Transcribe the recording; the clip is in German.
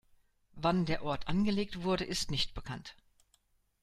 Wann der Ort angelegt wurde ist nicht bekannt.